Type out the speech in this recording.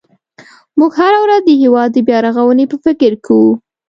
موږ هره ورځ د هېواد د بیا رغونې په فکر کې وو.